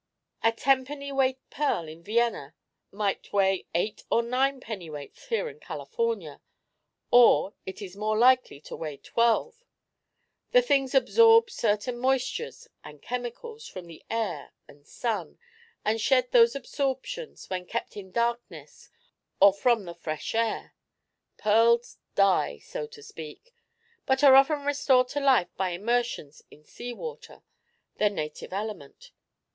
A ten penny weight pearl in Vienna might weigh eight or nine pennyweights here in California, or it is more likely to weigh twelve. The things absorb certain moistures and chemicals from the air and sun, and shed those absorptions when kept in darkness or from the fresh air. Pearls die, so to speak; but are often restored to life by immersions in sea water, their native element.